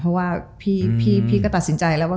เพราะว่าพี่ก็ตัดสินใจแล้วว่า